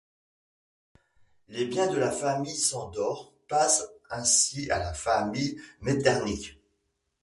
Les biens de la famille Sándor passent ainsi à la famille Metternich.